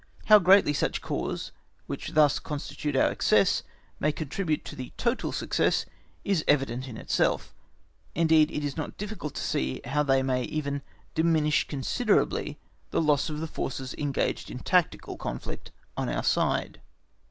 How greatly such corps which thus constitute our excess may contribute to the total success is evident in itself; indeed, it is not difficult to see how they may even diminish considerably the loss of the forces engaged in tactical, conflict on our side.